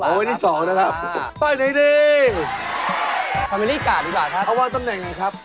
เอาอันที่สองดีกว่าครับ